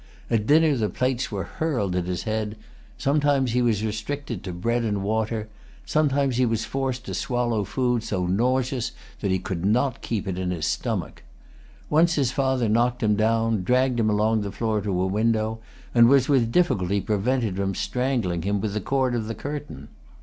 At dinner the plates were hurled at his head; sometimes he was restricted to bread and water; sometimes he was forced to swallow food so nauseous that he could not keep it on his stomach. Once his father knocked him down, dragged him along the floor to a window, and was with difficulty prevented from strangling him with the cord of the curtain.